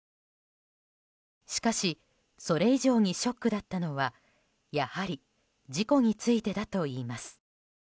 しかし、それ以上にショックだったのはやはり事故についてだといいます。